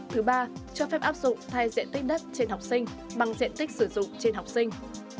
thứ ba cho phép áp dụng thay diện tích đất trên học sinh bằng diện tích sử dụng trên học sinh